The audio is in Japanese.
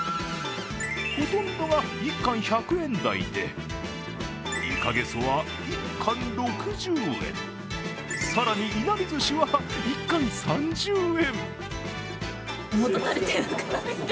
ほとんどが１貫１００円台でイカゲソは１貫６０円、更にいなり寿司は１貫３０円。